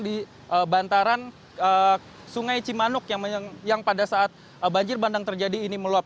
di bantaran sungai cimanuk yang pada saat banjir bandang terjadi ini meluap